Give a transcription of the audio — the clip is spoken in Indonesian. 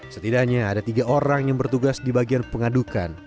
setidaknya ada tiga orang yang bertugas di bagian pengadukan